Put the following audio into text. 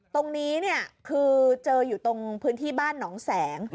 ตรงนี้เนี่ยคือเจออยู่ตรงพื้นที่บ้านหนองแสง